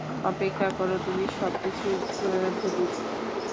অপেক্ষা কর, তুমি সব কিছুই ভুলিবে।